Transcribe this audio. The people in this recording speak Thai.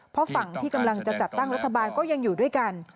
เพราะฝั่งที่กำลังจะจัดตั้งรัฐบาลก็ยังอยู่ด้วยกัน